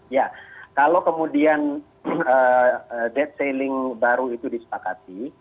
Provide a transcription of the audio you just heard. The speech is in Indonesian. ya kalau kemudian dead sailing baru itu disepakati